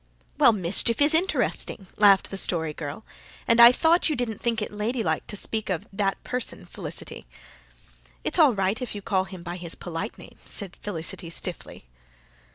'" "Well, mischief is interesting," laughed the Story Girl. "And I thought you didn't think it lady like to speak of that person, Felicity?" "It's all right if you call him by his polite name," said Felicity stiffly.